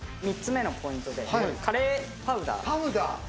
３つ目のポイントで、カレーパウダー。